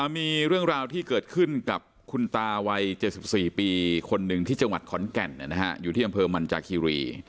มีเรื่องราวที่เกิดขึ้นกับคุณตาวัย๗๔ปีคนหนึ่งที่จังหวัดขอนแก่นอยู่ที่อำเภอมันจากคีรี